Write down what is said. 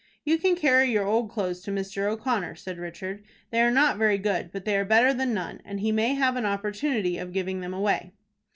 "You can carry your old clothes to Mr. O'Connor," said Richard. "They are not very good, but they are better than none, and he may have an opportunity of giving them away."